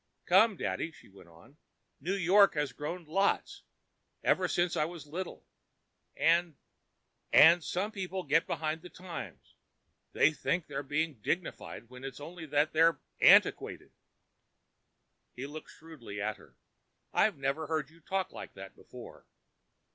"Come, daddy," she went on. "New York has grown lots—even since I was little. And—and some people get behind the times. They think they're being dignified when it's only that they're antiquated." He looked shrewdly at her. "I never heard you talk like that before.